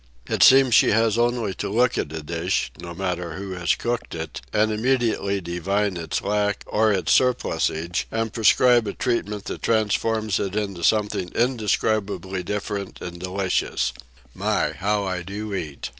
It seems she has only to look at a dish, no matter who has cooked it, and immediately divine its lack or its surplusage, and prescribe a treatment that transforms it into something indescribably different and delicious—My, how I do eat!